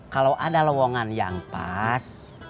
kalau ada lowongan yang pas